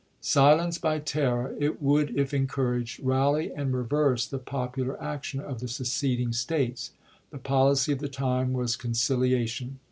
Silenced by terror, it would if en couraged, rally and reverse the popular action of the seceding States. The policy of the time was conciliation.